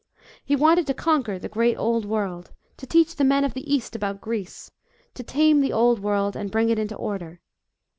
He wanted to conquer the great old world, to teach the men of the East about Greece, to tame the old world and bring it into order.